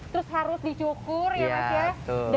terus harus dicukur ya mas ya